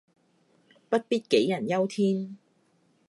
不必杞人憂天